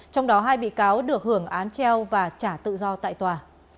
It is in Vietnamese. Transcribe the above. trong đó hai bị cáo được hưởng án treo và trả tự do tại tòa